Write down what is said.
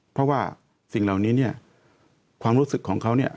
เพราะว่าสิ่งเหล่านี้เนี่ยความรู้สึกของเขาเนี่ย